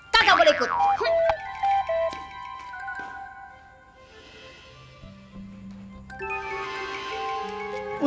kagak boleh ikut